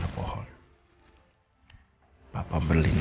untuk mendapatkan kesempatan